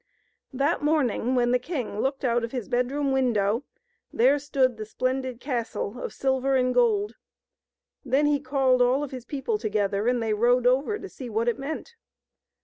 That morning, when the king looked out of his bedroom window, there stood the splendid castle of silver and gold. Then he called all of his people together, and they rode over to see what it meant.